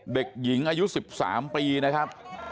เด็กหญิงอายุ๑๓ปีนะครับ